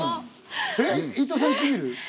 えっ伊藤さんいってみる？